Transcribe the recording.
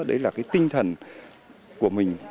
đấy là cái tinh thần của mình